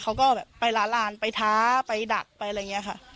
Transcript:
เขาก็แบบไปร้านไปท้าไปดักไปอะไรอย่างนี้ค่ะ